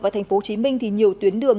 và thành phố hồ chí minh thì nhiều tuyến đường